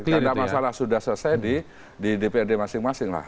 karena masalah sudah selesai di dprd masing masing lah